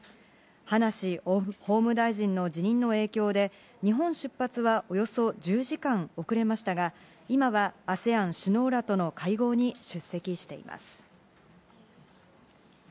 葉梨法務大臣の辞任の影響で日本出発はおよそ１０時間遅れましたが、今はＡＳＥＡＮ首脳らとの会合に出席しています。